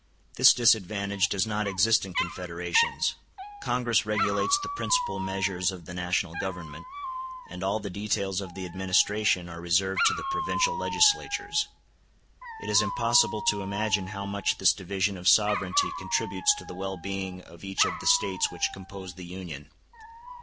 This disadvantage does not exist in confederations. Congress regulates the principal measures of the national Government, and all the details of the administration are reserved to the provincial legislatures. It is impossible to imagine how much this division of sovereignty contributes to the well being of each of the States which compose the Union.